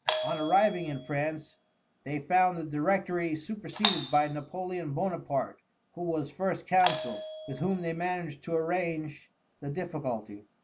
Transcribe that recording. On arriving in France they found the Directory superseded by Napoleon Bonaparte who was first counsel, with whom they managed to arrange the difficulty.